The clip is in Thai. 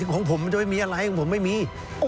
ของผมมันจะไม่มีอะไร